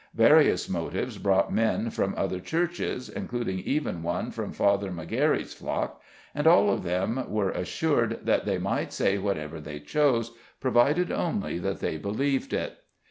Various motives brought men from other churches, including even one from Father McGarry's flock, and all of them were assured that they might say whatever they chose, provided only that they believed it.